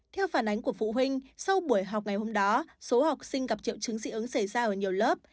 theo phản ánh của phụ huynh sau buổi học ngày hôm đó số học sinh gặp triệu chứng dị ứng xảy ra ở nhiều lớp